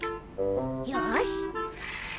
よし！